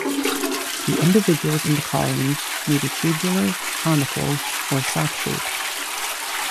The individuals in the colony may be tubular, conical, or sac-shaped.